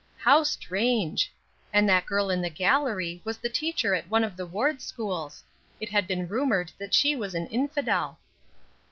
How strange! And that girl in the gallery was the teacher at one of the Ward schools. It had been rumored that she was an infidel!